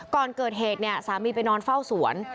ก่อนเกิดเหตุเนี่ยสามีไปนอนเฝ้าสวน